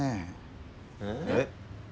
えっ？